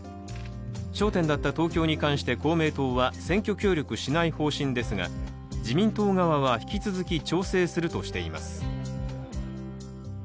焦点だった東京に関して公明党は選挙協力しない方針ですが自民党側は引き続き調整するとしています。